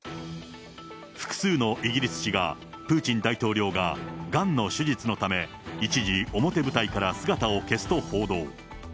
複数のイギリス紙が、プーチン大統領ががんの手術のため、一時、表舞台から姿を消すと報道。